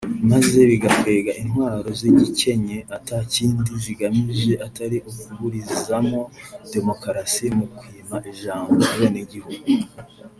maze bigakwega intwaro z'igikenye ata kindi zigamije atari ukuburizamwo demokarasi mu kwima ijambo abenegihugu